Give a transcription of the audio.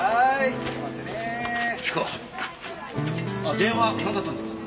電話なんだったんですか？